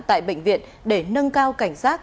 tại bệnh viện để nâng cao cảnh sát